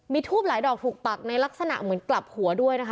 มีทูบหลายดอกถูกปักในลักษณะเหมือนกลับหัวด้วยนะคะ